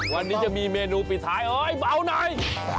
วันนี้จะมีเมนูปิดท้ายเอ้ยเบาหน่อย